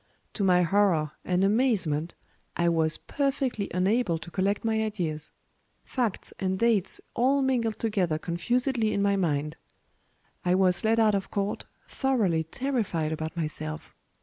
To my horror and amazement, I was perfectly unable to collect my ideas; facts and dates all mingled together confusedly in my mind. I was led out of court thoroughly terrified about myself.